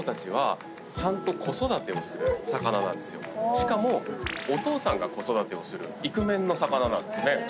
しかもお父さんが子育てをするイクメンの魚なんですね。